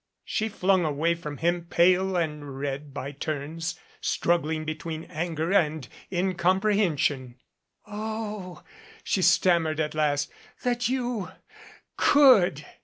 She flung away from him, pale and red by turns, struggling between anger and incomprehension. "Oh!" she stammered at last. "That you could!"